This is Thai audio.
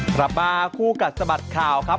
กลับมาคู่กัดสะบัดข่าวครับ